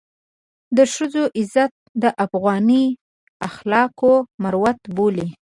د ښځو عزت د افغاني اخلاقو مروت بولي.